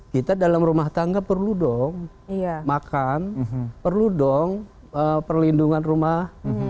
kita dalam rumah tangga perlu dong makan perlu dong perlindungan rumah